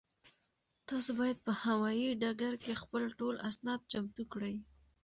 تاسو باید په هوایي ډګر کې خپل ټول اسناد چمتو کړئ.